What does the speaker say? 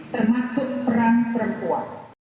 termasuk perang perempuan